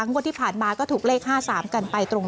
งวดที่ผ่านมาก็ถูกเลข๕๓กันไปตรง